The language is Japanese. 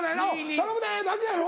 「頼むで」だけやろ？